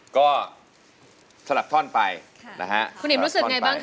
ก็สลับท่อนไปนะฮะคุณอิ๋มรู้สึกไงบ้างคะ